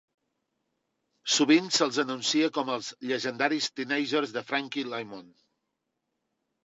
Sovint se'ls anuncia com els "Llegendaris Teenagers de Frankie Lymon'".